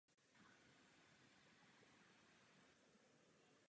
Tato direktiva chrání lidskou důstojnost.